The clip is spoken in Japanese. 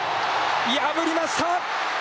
破りました。